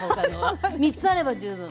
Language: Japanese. ３つあれば十分。